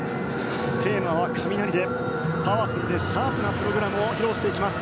テーマは雷で、パワフルでシャープなプログラムを披露していきます。